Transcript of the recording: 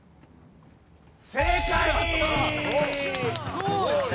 そうよね。